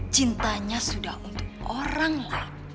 cintanya sudah untuk orang lah